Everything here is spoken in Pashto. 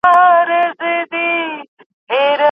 دا موضوع باید په ساده ژبه وړاندې سي.